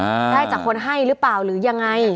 ได้จากคนให้หรือเปล่าหรือยังไง